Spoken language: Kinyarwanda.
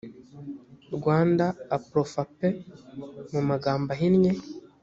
rwanda aprofaper mu magambo ahinnye